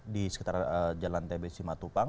di sekitar jalan tbc matupang